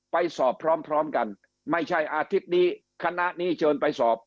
ไปสอบพร้อมพร้อมกันไม่ใช่อาทิตย์นี้คณะนี้เชิญไปสอบ